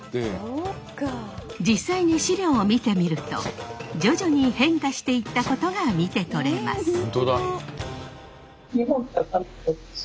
実際に史料を見てみると徐々に変化していったことが見て取れます。